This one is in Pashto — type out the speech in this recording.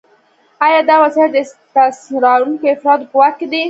آیا دا وسایل د استثمارونکو افرادو په واک کې دي؟